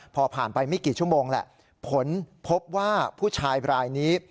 พอผ่านไปไม่กี่ชั่วโมงแหละผลพบว่าผู้ชายบรายนี้